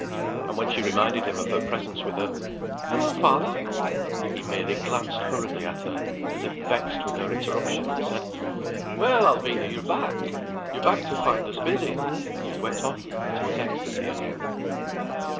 And when she reminded him of her presence, with her—"Hello, father!"—he merely glancied hurriedly at her, as if vexed with her interruption, and said: "Well, Alvina, you're back. You're back to find us busy." And he went off into his ecstasy again.